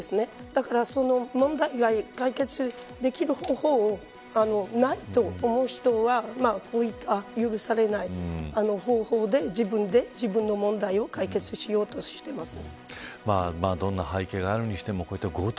だから問題が解決できる方法をないと思う人はこういった許されない方法で自分で自分の問題を解決しようとします。